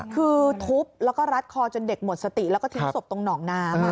คือทุบแล้วก็รัดคอจนเด็กหมดสติแล้วก็ทิ้งศพตรงหนองน้ำ